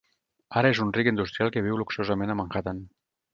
Ara és un ric industrial que viu luxosament a Manhattan.